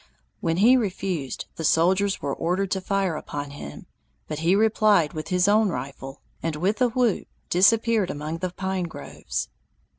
When he refused, the soldiers were ordered to fire upon him, but he replied with his own rifle, and with a whoop disappeared among the pine groves.